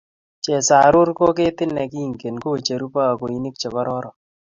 chesarur ko ketit ne kingen kocheruu baoni che kororon.